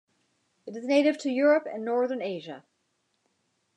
It is native to Europe and northern Asia.